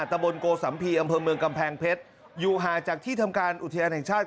ตะบนโกสัมภีร์อำเภอเมืองกำแพงเพชรอยู่ห่างจากที่ทำการอุทยานแห่งชาติ